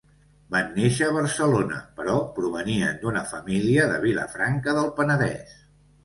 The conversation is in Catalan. Van néixer a Barcelona, però provenien d'una família de Vilafranca del Penedès.